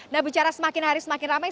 nah bicara semakin hari semakin ramai